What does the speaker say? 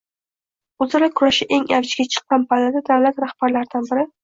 o‘zaro kurashi eng avjiga chiqqan pallada davlat rahbarlaridan biri